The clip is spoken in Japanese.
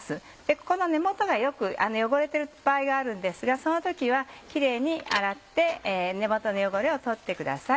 ここの根元がよく汚れてる場合があるんですがその時はキレイに洗って根元の汚れを取ってください。